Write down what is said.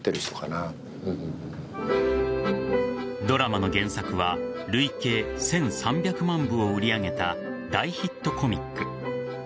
ドラマの原作は累計１３００万部を売り上げた大ヒットコミック。